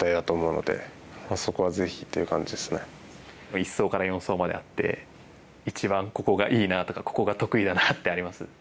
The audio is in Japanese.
１走から４走まであって一番ここがいいなとかここが得意だなってあります？